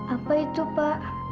apa itu pak